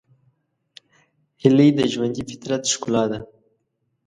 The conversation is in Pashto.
هیلۍ د ژوندي فطرت ښکلا ده